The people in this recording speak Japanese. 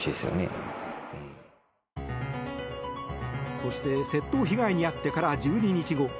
そして窃盗被害に遭ってから１２日後。